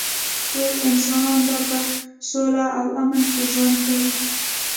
ټول انسانان به په سوله او امن کې ژوند کوي